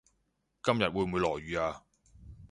今日會唔會落雨呀